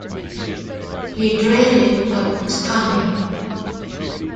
He dreaded what was coming.